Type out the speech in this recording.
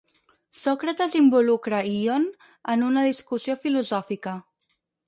Sòcrates involucra Ion en una discussió filosòfica.